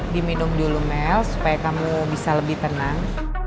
diminum dulu mel supaya kamu bisa lebih tenang